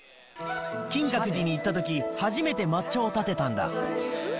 金閣寺に行ったとき、初めて抹茶をたてたんだ。